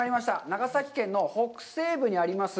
長崎県の北西部にあります